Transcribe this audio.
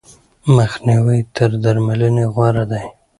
مخنیوی تر درملنې غوره دی.